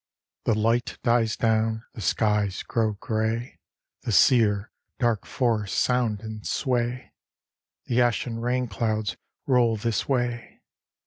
The light dies down; the skies grow gray: The sear, dark forests sound and sway: The ashen rain clouds roll this way.